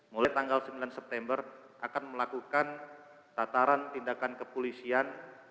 mulai tanggal sembilan september akan melakukan tataran tindakan kepolisian